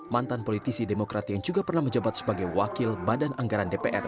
mantan politisi demokrat yang juga pernah menjabat sebagai wakil badan anggaran dpr